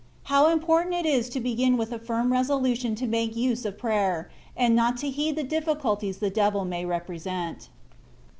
HOW IMPORTANT IT IS TO BEGIN WITH A FIRM RESOLUTION TO HAKE USE OF PRATER, AND NOT TO HEED THB DIPPIOULTIBS THE DEVIL MAT REPRESENV.